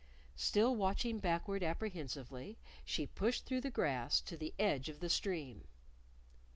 Still watching backward apprehensively, she pushed through the grass to the edge of the stream.